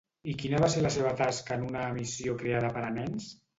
I quina va ser la seva tasca en una emissió creada per a nens?